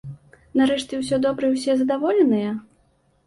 Нарэшце ўсё добра і ўсе задаволеныя?